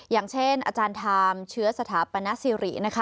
อย่างเช่นอาจารย์ไทม์เชื้อสถาปนสิรินะคะ